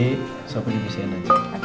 soalnya aku di pisauin aja